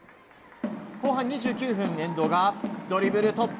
後半２９分、遠藤がドリブル突破。